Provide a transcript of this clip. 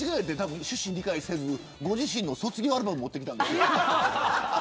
趣旨を理解せずご自身の卒業アルバムを持ってきたんですよ。